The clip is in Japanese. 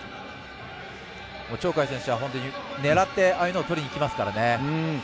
鳥海選手は狙って、ああいうのをとりにいきますからね。